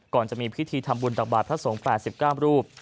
ก่อนจะมีพิธีทำบุญตากบาดพระสงฆ์แปดสิบก้ามรูป